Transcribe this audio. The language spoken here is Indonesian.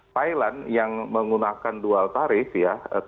thailand yang menggunakan dual tarif ya